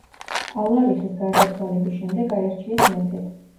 ალარიხის გარდაცვალების შემდეგ აირჩიეს მეფედ.